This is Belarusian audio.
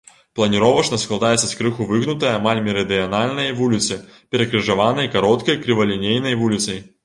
Планіровачна складаецца з крыху выгнутай амаль мерыдыянальнай вуліцы, перакрыжаванай кароткай крывалінейнай вуліцай.